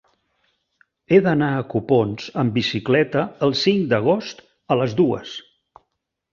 He d'anar a Copons amb bicicleta el cinc d'agost a les dues.